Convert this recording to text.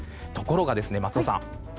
ところが、松尾さん